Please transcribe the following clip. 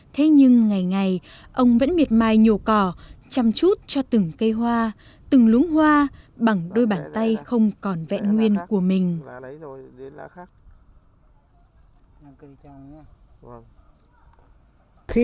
thế nhưng ngày ngày ông vẫn miệt mài nhổ cỏ chăm chút cho từng cây hoa từng luống hoa bằng đôi bàn tay không còn vẹn nguyên của mình